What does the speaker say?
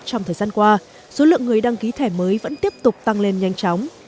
trong thời gian qua số lượng người đăng ký thẻ mới vẫn tiếp tục tăng lên nhanh chóng